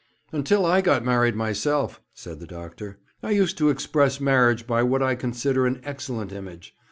'Until I got married myself,' said the Doctor, 'I used to express marriage by what I consider an excellent image.